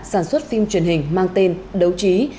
sản xuất phim truyền hình mang tên đấu chí